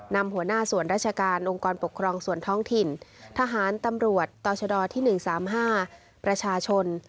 นำหัวหน้าส่วนราชการองค์กรปกครองส่วนท้องถิ่นทหารตำรวจต่อชดที่๑๓๕ประชาชน